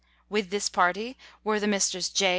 With this party were the Messrs. J.